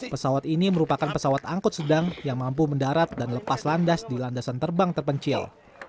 pesawat ini merupakan pesawat angkut sedang yang mampu mendarat dan lepas landas di landasan terbang terpencil